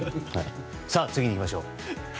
さあ次に行きましょう。